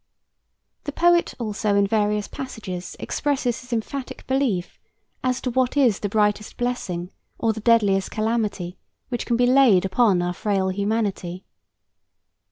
The poet also in various passages expresses his emphatic belief as to what is the brightest blessing or the deadliest calamity which can be laid upon our frail humanity.